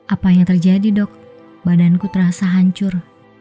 apanya terjadi dok badanku terasa hancur